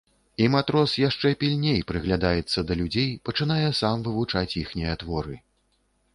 І матрос яшчэ пільней прыглядаецца да людзей, пачынае сам вывучаць іхнія творы.